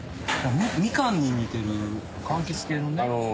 ミカンに似てるかんきつ系のね。